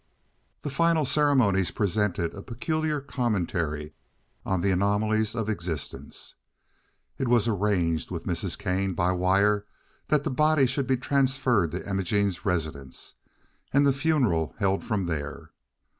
The final ceremonies presented a peculiar commentary on the anomalies of existence. It was arranged with Mrs. Kane by wire that the body should be transferred to Imogene's residence, and the funeral held from there.